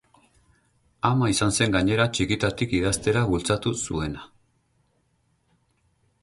Ama izan zen gainera txikitatik idaztera bultzatu zuena.